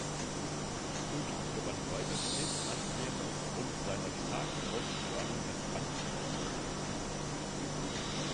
Fuld gewann weiter stets Ansehen aufgrund seiner starken Ausstrahlung als Bankmanager.